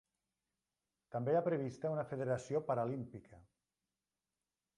També hi ha prevista una federació paralímpica.